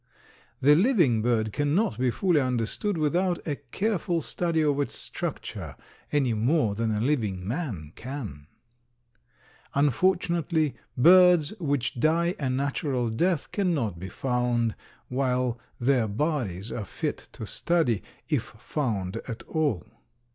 The living bird cannot be fully understood without a careful study of its structure any more than a living man can. Unfortunately, birds which die a natural death cannot be found while their bodies are fit to study, if found at all.